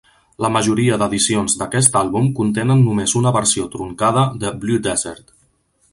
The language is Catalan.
La majoria d'edicions d'aquest àlbum contenen només una versió truncada de "Blue Desert".